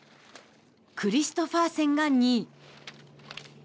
クリストファーセンが２位。